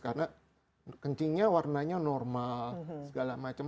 karena kencingnya warnanya normal segala macam